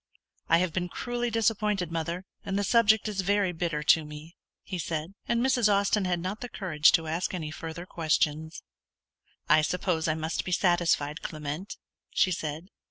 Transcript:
"I have been cruelly disappointed, mother, and the subject is very bitter to me," he said; and Mrs. Austin had not the courage to ask any further questions. "I suppose I must be satisfied, Clement," she said.